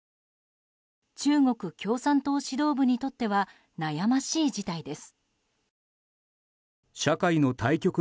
中国共産党指導部にとっては悩ましい事態です。